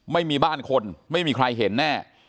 ไม่มีบ้านคนไม่มีใครเห็นแน่